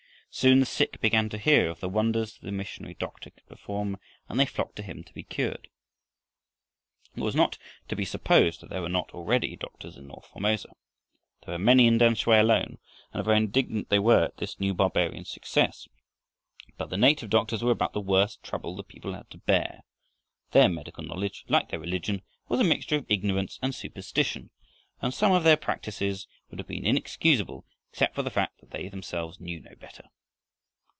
Soon the sick began to hear of the wonders the missionary doctor could perform, and they flocked to him to be cured. It must not be supposed that there were not already doctors in north Formosa. There were many in Tamsui alone, and very indignant they were at this new barbarian's success. But the native doctors were about the worst trouble that the people had to bear. Their medical knowledge, like their religion, was a mixture of ignorance and superstition, and some of their practises would have been inexcusable except for the fact that they themselves knew no better.